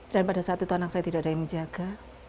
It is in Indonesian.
dan pada saat itu anak saya tidak ada yang menjaga